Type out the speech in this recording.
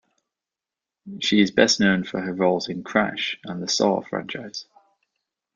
She is best known for her roles in "Crash" and the "Saw" franchise.